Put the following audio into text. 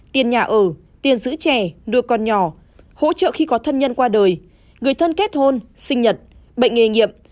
tiền nhà ở tiền giữ trẻ đưa con nhỏ hỗ trợ khi có thân nhân qua đời người thân kết hôn sinh nhật bệnh nghề nghiệp